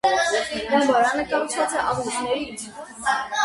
Դամբարանը կառուցված է աղյուսներից։